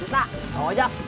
mas cinta awal aja